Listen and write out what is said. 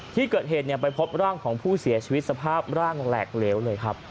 ที่เกิดเหตุไปพบร่างของผู้เสียชีวิตสภาพร่างแหลกเหลวเลยครับ